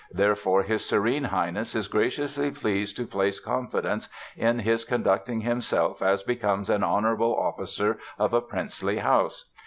Therefore his Serene Highness is graciously pleased to place confidence in his conducting himself as becomes an honorable officer of a princely house.